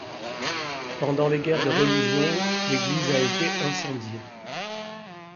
Pendant les guerres de religion, l'église a été incendiée.